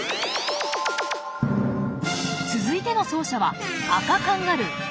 続いての走者はアカカンガルー。